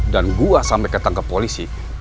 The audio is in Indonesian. dan gue sampe ketangkep polisi